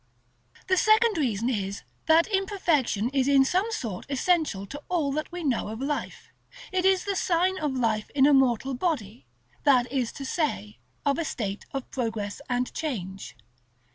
§ XXV. The second reason is, that imperfection is in some sort essential to all that we know of life. It is the sign of life in a mortal body, that is to say, of a state of progress and change.